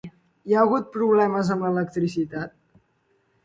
Hi ha hagut problemes amb l'electricitat?